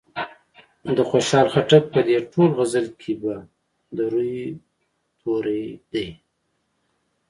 د خوشال خټک په دې ټوله غزل کې ب د روي توری دی.